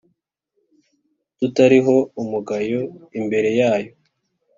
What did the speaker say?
tutariho umugayo imbere yayo.